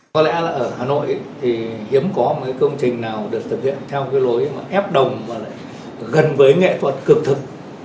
có lẽ là ở hà nội thì hiếm có một công trình nào được thực hiện theo lối ép đồng và gần với nghệ thuật cực thực